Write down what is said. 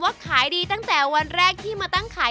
ทุกคนก็รู้จักกันหมด